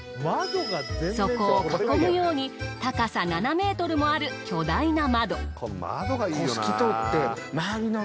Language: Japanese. そこを囲むように高さ７ｍもある巨大な窓。